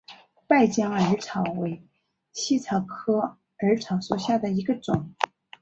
败酱耳草为茜草科耳草属下的一个种。